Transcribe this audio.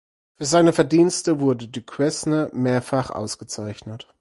Für seine Verdienste wurde Duquesne mehrfach ausgezeichnet.